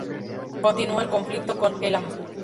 Continuó el conflicto con Elam.